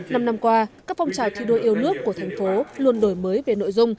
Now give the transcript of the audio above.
năm năm qua các phong trào thi đua yêu nước của thành phố luôn đổi mới về nội dung